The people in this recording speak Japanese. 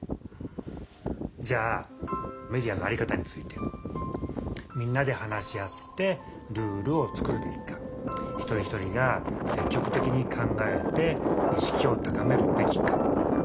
じゃあメディアのあり方について「みんなで話し合ってルールを作るべき」か「一人一人が積極的に考えて意識を高めるべき」か。